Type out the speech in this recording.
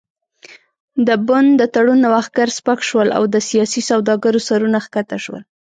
د بن د تړون نوښتګر سپک شول او د سیاسي سوداګرو سرونه ښکته شول.